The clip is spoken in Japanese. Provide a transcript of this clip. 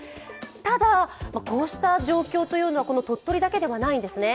ただ、こうした状況というのはこの鳥取だけではないんですね。